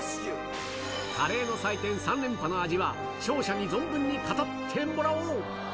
カレーの祭典３連覇の味は、勝者に存分に語ってもらおう。